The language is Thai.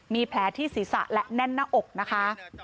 มีแผลที่ศีรษะและแน่นหน้าอกนะคะ